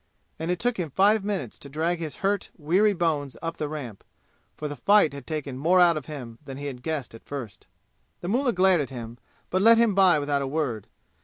And it took him five minutes to drag his hurt weary bones up the ramp, for the fight had taken more out of him than he had guessed at first. The mullah glared at him but let him by without a word.